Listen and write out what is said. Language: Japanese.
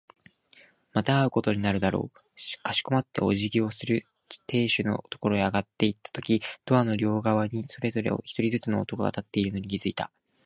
また会うことだろう。かしこまってお辞儀をする亭主のところへ上がっていったとき、ドアの両側にそれぞれ一人ずつの男が立っているのに気づいた。